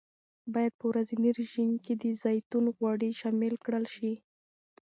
باید په ورځني رژیم کې د زیتون غوړي شامل کړل شي.